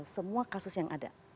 semua kasus yang ada